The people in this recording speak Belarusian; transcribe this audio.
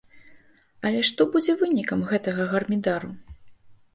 Але што будзе вынікам гэтага гармідару?